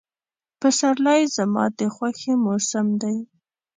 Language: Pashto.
پسرلی زما د خوښې موسم دی.